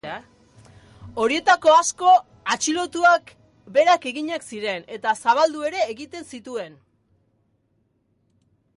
Horietako asko atxilotuak berak eginak ziren, eta zabaldu ere egiten zituen.